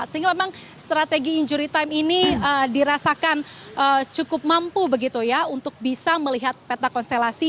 sehingga memang strategi injury time ini dirasakan cukup mampu begitu ya untuk bisa melihat peta konstelasi